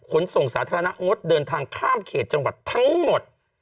ขนส่งสาธารณะงดเดินทางข้ามเขตจังหวัดทั้งหมด